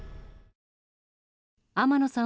天野さん